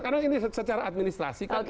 karena ini secara administrasi kan